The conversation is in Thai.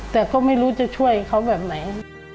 แต่ก็ไม่รู้จะช่วยเขาแบบไหน